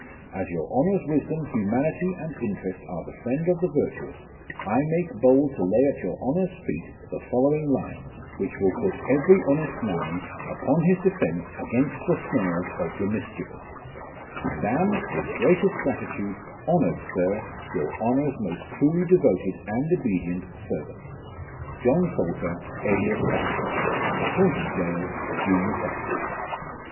As your Honour's wisdom, humanity, and interest are the friend of the virtuous, I make bold to lay at your Honour's feet the following lines, which will put every honest man upon his defence against the snares of the mischievous ; and am, with greatest gratitude, honoured Sir, your Honour's most truly devoted and obedient servant, " JOHN POTJLTEE, alias BAXTEB. "Taunton Gaol, June 2nd."